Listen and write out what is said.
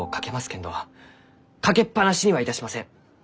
けんどかけっぱなしにはいたしません。